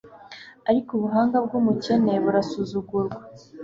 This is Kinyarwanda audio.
ariko ubuhanga bw'umukene burasuzugurwa